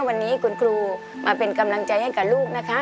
วันนี้คุณครูมาเป็นกำลังใจให้กับลูกนะคะ